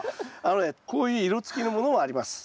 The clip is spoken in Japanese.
あのねこういう色つきのものもあります。